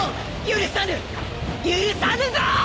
許さぬぞ！